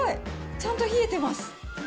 ちゃんと冷えてます。